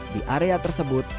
di area tersebut